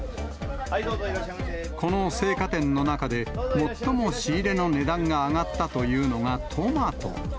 この青果店の中で、最も仕入れの値段が上がったというのがトマト。